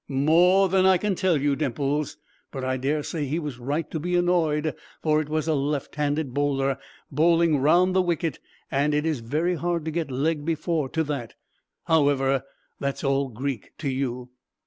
"More than I can tell you, Dimples. But I dare say he was right to be annoyed, for it was a left handed bowler, bowling round the wicket, and it is very hard to get leg before to that. However, that's all Greek to you."